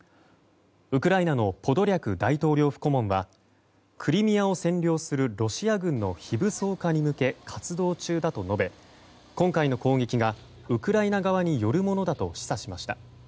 ウクライナのポドリャク大統領府顧問はクリミアを占領するロシア軍の非武装化に向け活動中だと述べ、今回の攻撃がウクライナ側によるものだと示唆しました。